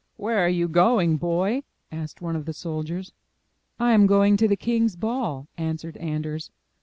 * 'Where are you going, boy?" asked one of the soldiers. I am going to the king's ball," answered Anders.